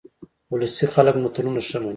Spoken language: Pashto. ولسي خلک متلونه ښه مني